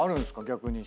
逆に。